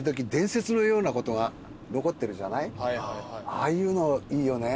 ああいうのいいよね。